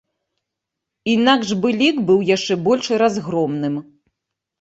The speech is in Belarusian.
Інакш бы лік быў яшчэ больш разгромным.